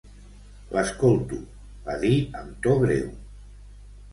"L'escolto", va dir amb to greu.